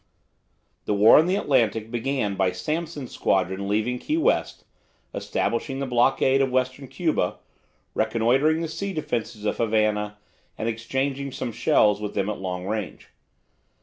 The war in the Atlantic began by Sampson's squadron leaving Key West, establishing the blockade of Western Cuba, reconnoitring the sea defences of Havana, and exchanging some shells with them at long range.